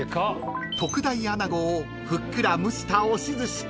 ［特大アナゴをふっくら蒸した押しずし］